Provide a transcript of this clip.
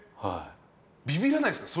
ビビらないですか？